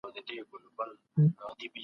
هغه مخالفین د خپلو اهدافو لپاره وکارول.